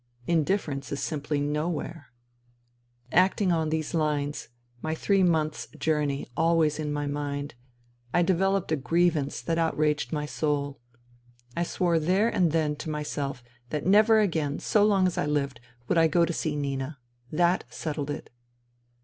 Indifference is simply no where. Acting on these lines, my three months' journey always in my mind, I developed a grievance that outraged my soul. I swore there and then to myself that never again, so long as I lived, would I go to see Nina. That settled it.